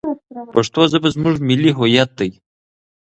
پښتو ژبه زموږ ملي هویت دی.